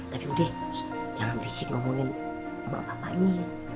tapi udah jangan berisik ngomongin sama bapaknya